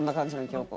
京子。